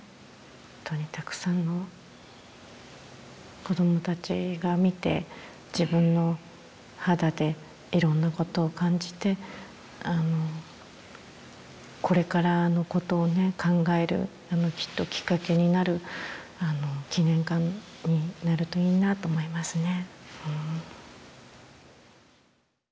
本当にたくさんの子供たちが見て自分の肌でいろんなことを感じてこれからのことをね考えるきっときっかけになる記念館になるといいなと思いますね。